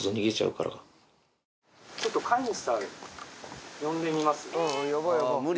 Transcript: ちょっと飼い主さん、呼んでみます。